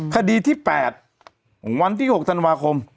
คดีที่๘วันที่๖ธันวาคม